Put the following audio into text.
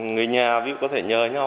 người nhà có thể nhờ nhau